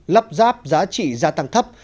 lắp ráp giá trị gia tăng thấp